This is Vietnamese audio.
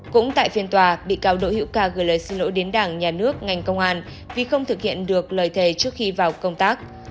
cũng tại phiên tòa bị cáo đỗ hữu ca gửi lời xin lỗi đến đảng nhà nước ngành công an vì không thực hiện được lời thề trước khi vào công tác